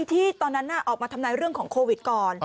ที่ตอนนั้นออกมาทำนายเรื่องของโควิดก่อน